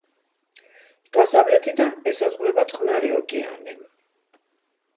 დასავლეთიდან ესაზღვრება წყნარი ოკეანე.